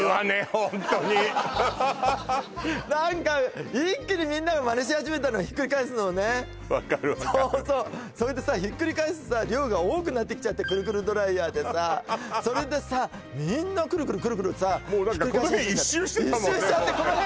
ホントに何か一気にみんながマネし始めたのひっくり返すのをね分かる分かるそうそうそれでさひっくり返す量が多くなってきちゃってくるくるドライヤーでさそれでさみんなくるくるくるくるさもう何かこの辺一周してたもんね